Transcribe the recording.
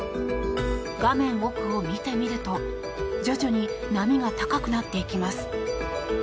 画面奥を見てみると徐々に波が高くなっていきます。